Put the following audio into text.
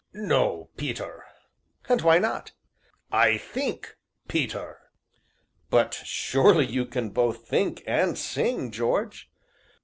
"No, Peter." "And why not?" "I think, Peter." "But surely you can both think and sing, George?"